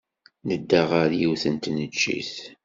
Nedda ɣer yiwet n tneččit.